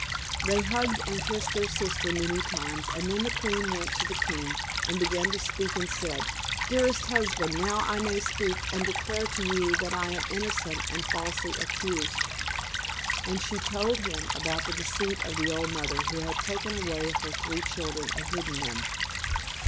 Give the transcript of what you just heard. They hugged and kissed their sister many times, and then the queen went to the king, and began to speak, and said, "Dearest husband, now I may speak, and declare to you that I am innocent and falsely accused;" and she told him about the deceit of the old mother, who had taken away her three children, and hidden them.